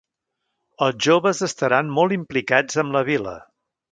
Els joves estaran molt implicats amb la vila.